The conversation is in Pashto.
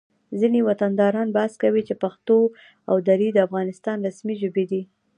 ځینې وطنداران بحث کوي چې پښتو او دري د افغانستان رسمي ژبې دي